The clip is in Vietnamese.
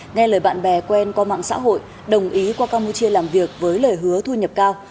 nghe lời bạn bè quen qua mạng xã hội đồng ý qua campuchia làm việc với lời hứa thu nhập cao